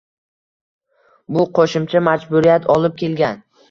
Bu qo‘shimcha majburiyat olib kelgan.